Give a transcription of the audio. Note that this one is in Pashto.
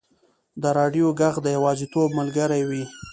د راډیو ږغ د یوازیتوب ملګری وي.